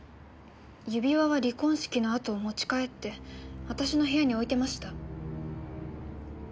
指輪は離婚式のあと持ち帰って私の部屋に置いてました。